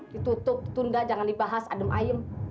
ditutup tunda jangan dibahas adem ayem